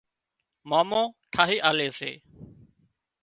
مامو ٺاهِي آلي سي